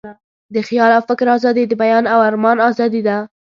د خیال او فکر آزادي، د بیان او آرمان آزادي ده.